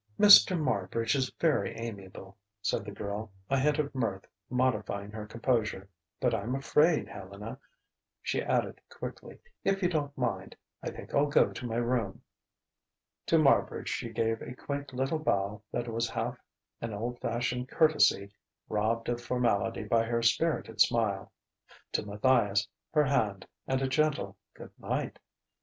"Mr. Marbridge is very amiable," said the girl, a hint of mirth modifying her composure. "But I'm afraid, Helena," she added quickly "if you don't mind I think I'll go to my room." To Marbridge she gave a quaint little bow that was half an old fashioned courtesy, robbed of formality by her spirited smile: to Matthias her hand and a gentle "Good night!"